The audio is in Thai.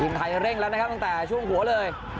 ไทยเร่งแล้วนะครับตั้งแต่ช่วงหัวเลย